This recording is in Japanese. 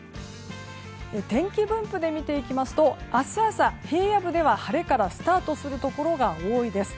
天気分布で見ていきますと明日朝、平野部では晴れからスタートするところが多いです。